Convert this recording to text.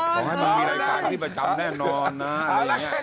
ขอให้มันมีรายการที่ประจำแน่นอนนะอะไรอย่างนี้